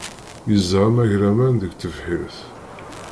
Yeẓẓa amagraman deg tebḥirt.